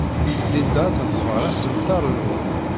Linda ad teḍfer assemter-nwen.